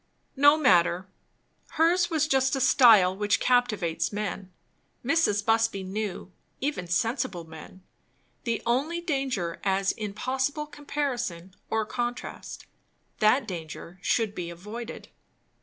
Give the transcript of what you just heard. No matter; hers was just a style which captivates men, Mrs. Busby knew; even sensible men, the only danger as in possible comparison or contrast. That danger should be avoided.